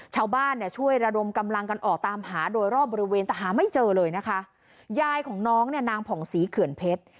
ชาวบ้านเนี่ยช่วยระดมกำลังกันออกตามหาโดยรอบบริเวณแต่หาไม่เจอเลยนะคะยายของน้องเนี่ยนางผ่องศรีเขื่อนเพชร